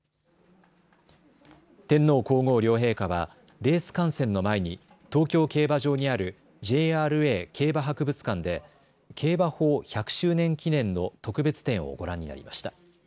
天皇皇后両陛下はレース観戦の前に東京競馬場にあるＪＲＡ競馬博物館で競馬法１００周年記念の特別展をご覧になりました。